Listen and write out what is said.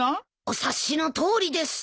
お察しのとおりです。